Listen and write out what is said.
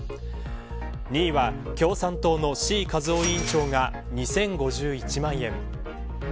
２位は共産党の志位和夫委員長が２０５１万円。